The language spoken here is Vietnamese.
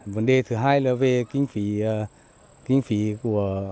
vấn đề thứ hai là về kinh phí của khu tải đỉnh cư